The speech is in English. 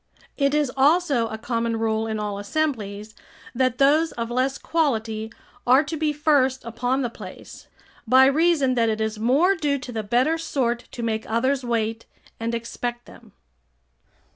It is also a common rule in all assemblies, that those of less quality are to be first upon the place, by reason that it is more due to the better sort to make others wait and expect them.